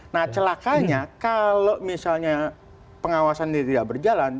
nah celakanya kalau misalnya pengawasan ini tidak berjalan